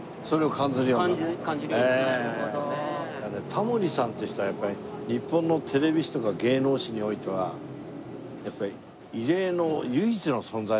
タモリさんっていう人はやっぱり日本のテレビ史とか芸能史においてはやっぱり異例の唯一の存在だと思いますね。